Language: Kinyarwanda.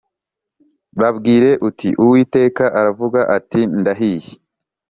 Babwire uti Uwiteka aravuga ati Ndahiye